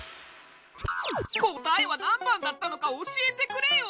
答えは何番だったのか教えてくれよ！